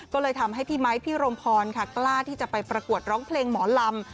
ก็เลยทำให้พี่ไมค์พี่รมพรค่ะกล้าที่จะไปประกวดร้องเพลงหมอลำ